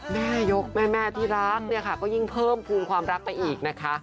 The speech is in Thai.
แม่ยกแม่ที่รักเนี่ยค่ะก็ยิ่งเพิ่มภูมิความรักไปอีกนะคะ